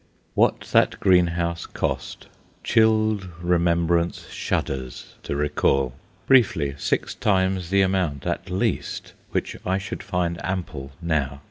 What that greenhouse cost, "chilled remembrance shudders" to recall; briefly, six times the amount, at least, which I should find ample now.